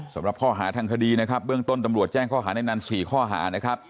สำหรับข้อหาทางคดีนะครับเบื้องต้นตำรวจแจ้งข้อหาในนั้น๔ข้อหานะครับ